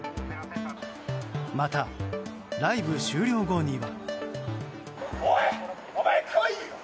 また、ライブ終了後には。